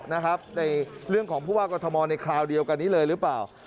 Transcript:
ในเรื่องของผู้ว่ากรทมในคราวเดียวกันนี้เลยหรือเปล่า